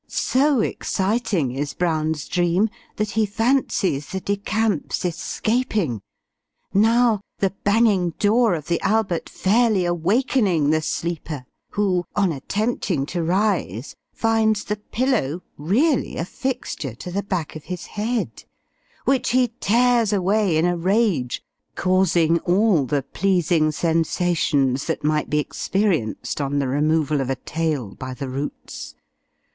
So exciting is Brown's dream, that he fancies the De Camps escaping now, the banging door of the Albert fairly awakening the sleeper; who, on attempting to rise, finds the pillow really a fixture to the back of his head; which he tears away, in a rage, causing all the pleasing sensations that might be experienced on the removal of a tail by the roots.